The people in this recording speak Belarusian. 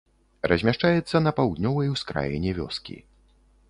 Размяшчаецца на паўднёвай ускраіне вёскі.